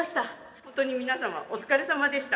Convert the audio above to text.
本当に皆様お疲れさまでした。